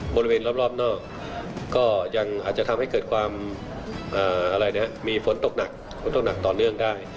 บริเวณรอบนอกก็ยังอาจจะทำให้เกิดความมีฝนตกหนักฝนตกหนักต่อเนื่องได้